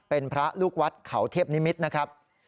เป็นพระลูกวัดเขาเทพนิมิตรนะครับ